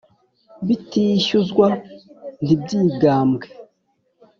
bitishyuzwa ntibyigambwe